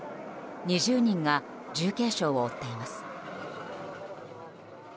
２０人が重軽傷を負っています。